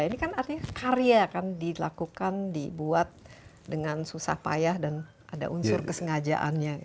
ini kan artinya karya kan dilakukan dibuat dengan susah payah dan ada unsur kesengajaannya